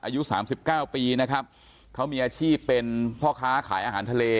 อายุสามสิบเก้าปีนะครับเขามีอาชีพเป็นพ่อค้าขายอาหารทะเล